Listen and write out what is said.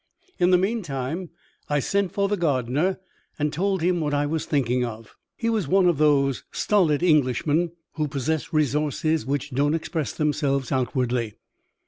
In the meantime I sent for the gardener, and told him what I was thinking of. He was one of those stolid Englishmen, who possess resources which don't express themselves outwardly.